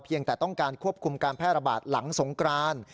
ยังแต่ต้องการควบคุมการแพร่ระบาดหลังสงกราน